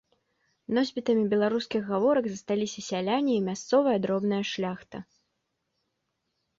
Носьбітамі беларускіх гаворак засталіся сяляне і мясцовая дробная шляхта.